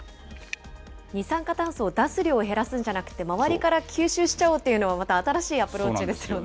二酸化炭素を出す量を減らすんじゃなくて、周りから吸収しちゃおうというのは、また新しいアプローチですよね。